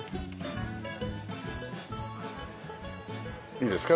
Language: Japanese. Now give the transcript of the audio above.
いいですか？